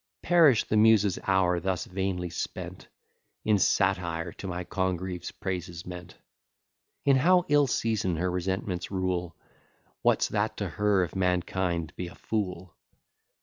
Perish the Muse's hour thus vainly spent In satire, to my Congreve's praises meant; In how ill season her resentments rule, What's that to her if mankind be a fool?